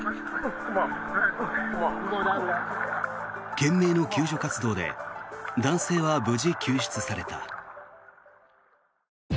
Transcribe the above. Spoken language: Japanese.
懸命の救助活動で男性は無事、救出された。